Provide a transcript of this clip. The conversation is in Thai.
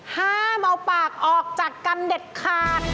ห้ามเอาปากออกจากกันเด็ดขาด